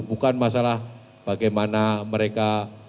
bukan masalah bagaimana mereka